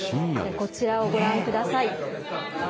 こちらをご覧ください。